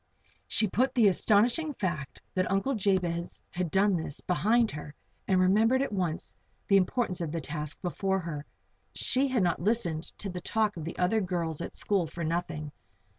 She put the astonishing fact that Uncle Jabez had done this, behind her, and remembered at once the importance of the task before her. She had not listened to the talk of the other girls at school for nothing.